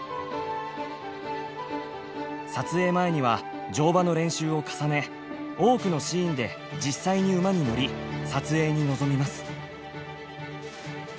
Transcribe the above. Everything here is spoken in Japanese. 撮影前には乗馬の練習を重ね多くのシーンで実際に馬に乗り撮影に臨みます。